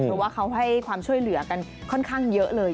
เพราะว่าเขาให้ความช่วยเหลือกันค่อนข้างเยอะเลย